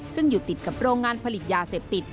ซึ่งอยู่ติดกับโรงงานผลิตยาเสพติด